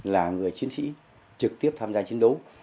là người chiến sĩ trực tiếp tham gia chiến đấu